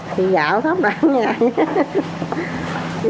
thì dạo sáu bảy mươi